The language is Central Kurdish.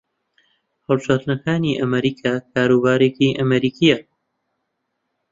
هەڵبژارنەکانی ئەمریکا کاروبارێکی ئەمریکییە